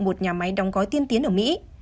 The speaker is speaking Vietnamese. một nhà máy đóng gói tiên tiến ở mỹ